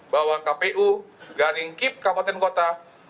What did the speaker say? bahwa kpu garing kip kabupaten kota